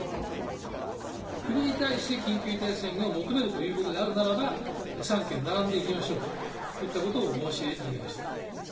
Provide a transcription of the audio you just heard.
国に対して緊急事態宣言を求めるということであるならば、３県並んでいきましょう、といったことを申し上げました。